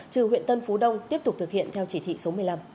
trừ huyện tân phú đông tiếp tục thực hiện theo chỉ thị số một mươi năm